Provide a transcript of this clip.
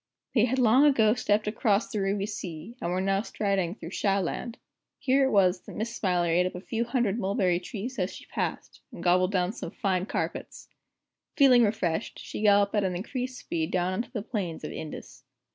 They had long ago stepped across the Ruby Sea, and were now striding through Shah Land. Here it was that Miss Smiler ate up a few hundred mulberry trees as she passed, and gobbled down some fine carpets. Feeling refreshed, she galloped at an increased speed down on to the plains of Indus.